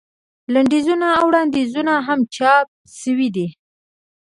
لنډیزونه او وړاندیزونه هم چاپ شوي دي.